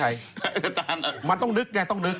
หมายถึงใครมันต้องนึกไงต้องนึก